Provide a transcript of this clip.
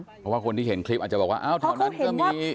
เพราะว่าคนที่เห็นคลิปอาจจะบอกว่าอ้าวแถวนั้นก็มี